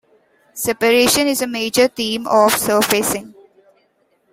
Separation is a major theme of "Surfacing".